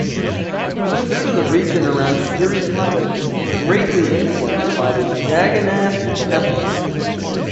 The food in the region around Puri-Cuttack is greatly influenced by the Jagannath Temple.